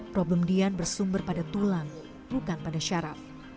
problem dian bersumber pada tulang bukan pada syaraf